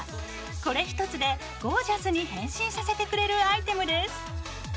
これ一つでゴージャスに変身させてくれるアイテムです。